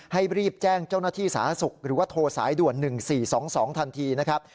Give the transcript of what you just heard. รีบแจ้งเจ้าหน้าที่สาธารณสุขหรือว่าโทรสายด่วน๑๔๒๒ทันทีนะครับ